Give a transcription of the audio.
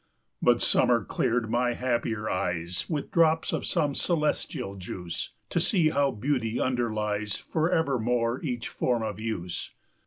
But Summer cleared my happier eyes With drops of some celestial juice, 30 To see how Beauty underlies, Forevermore each form of use.